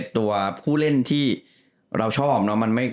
ตัวผู้เล่นที่เราชอบ